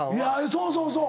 そうそうそう。